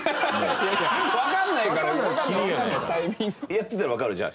やってたらわかるじゃあ。